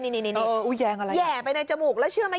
นี่แห่ไปในจมูกแล้วเชื่อไหม